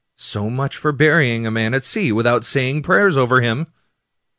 ^ So much for burying a man at sea without saying prayers over him."